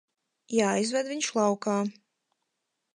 Jāizved viņš laukā.